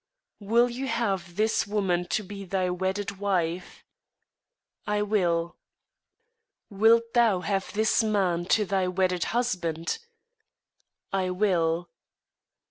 "Wilt thou have this woman to thy wedded wife?" "I will." "Wilt thou have this man to thy wedded husband?" "I will."